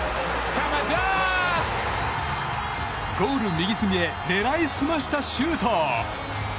ゴール右隅へ狙い澄ましたシュート！